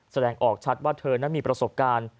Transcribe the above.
แสดงออกชัดว่าเธอนั้นมีประสบการณ์